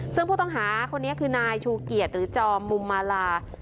ซึ่งผู้ต้องหาคนนี้คือนายชูเกียรติหรือจอมมุมมาลา